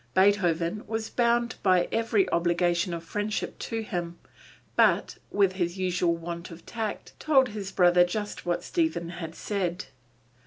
Beethoven was bound by every obligation of friendship to him, but, with his usual want of tact, told his brother just what Stephen had said.